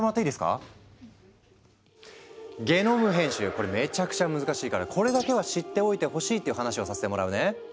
これめちゃくちゃ難しいからこれだけは知っておいてほしいっていう話をさせてもらうね。